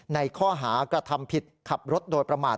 ในข้อหากระทำผิดขับรถโดยประมาท